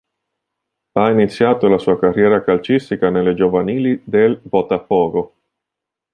Ha iniziato la sua carriera calcistica nelle giovanili del Botafogo.